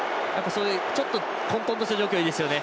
ちょっと混とんとした状況がいいですよね。